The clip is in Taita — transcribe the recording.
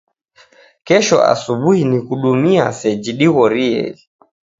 Kesho asubuhi nikudumia seji deghorieghe